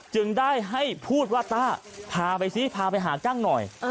จึงได้ให้พูดว่าต้าพาไปซิพาไปหากั้งหน่อย